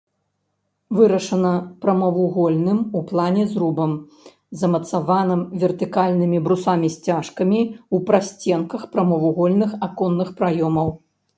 Вырашана прамавугольным у плане зрубам, замацаваным вертыкальнымі бусамі-сцяжкамі ў прасценках прамавугольных аконных праёмаў.